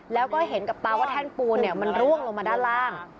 แล้วก็เห็นกับตาว่าแท่นปูนมันร่วงลงมาด้านล่าง